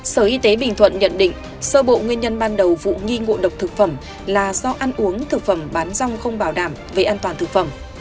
sở y tế bình thuận nhận định sơ bộ nguyên nhân ban đầu vụ nghi ngộ độc thực phẩm là do ăn uống thực phẩm bán rong không bảo đảm về an toàn thực phẩm